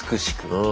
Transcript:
うん。